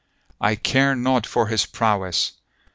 I care naught for his prowess."